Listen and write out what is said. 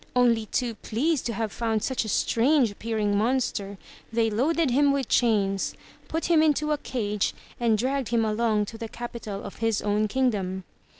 Only too pleased to have found such a strange appearing monster, they loaded him with chains, put him into a cage, and dragged him along to the capital of his own kingdom.